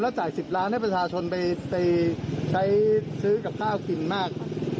จ่าย๑๐ล้านให้ประชาชนไปใช้ซื้อกับข้าวกินมาก